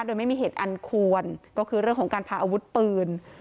โดยไม่มีเหตุอันควรก็คือเรื่องของการพาอาวุธปืน